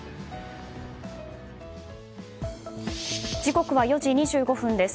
時刻は４時２５分です。